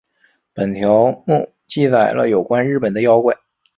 本条目记载了有关日本的妖怪。